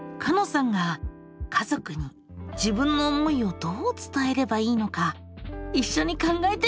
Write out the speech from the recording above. さんが家族に自分の思いをどう伝えればいいのか一緒に考えてみよう。